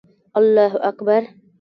الله اکبر